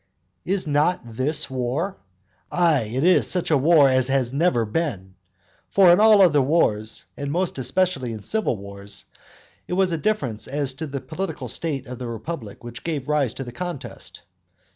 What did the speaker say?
Is not this war? Ay, it is such a war as has never been. For in all other wars, and most especially in civil wars, it was a difference as to the political state of the republic which gave rise to the contest.